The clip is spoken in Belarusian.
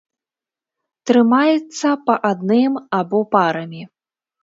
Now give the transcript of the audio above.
Трымаецца па адным або парамі.